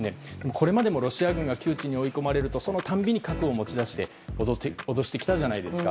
これまでもロシア軍が窮地に追い込まれるとそのたびに核を持ち出して脅してきたじゃないですか。